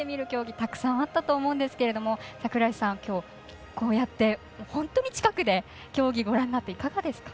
たくさんあったと思うんですけど櫻井さん、きょうこうやって本当に近くで競技、ご覧になっていかがですか。